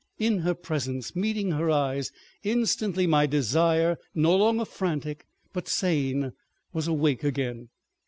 In her presence, meeting her eyes, instantly my desire, no longer frantic but sane, was awake again.